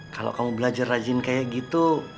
kalau kamu belajar rajin kayak gitu